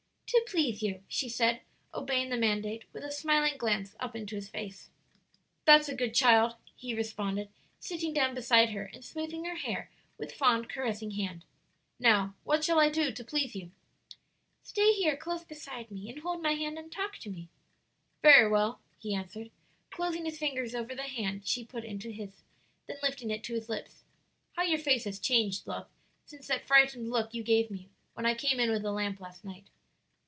"To please you," she said, obeying the mandate with a smiling glance up into his face. "That's a good child!" he responded, sitting down beside her and smoothing her hair with fond, caressing hand. "Now, what shall I do to please you?" "Stay here, close beside me, and hold my hand, and talk to me." "Very well," he answered, closing his fingers over the hand she put into his, then lifting it to his lips. "How your face has changed, love, since that frightened look you gave me when I came in with the lamp last night."